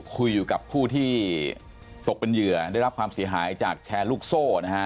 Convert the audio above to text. คุยกับผู้ที่ตกเป็นเหยื่อได้รับความเสียหายจากแชร์ลูกโซ่นะฮะ